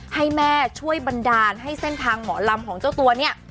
ให้แม่ช่วยบันดาลให้เส้นทางหมอลำของเจ้าตัวเนี่ย